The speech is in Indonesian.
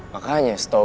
makanya setau gue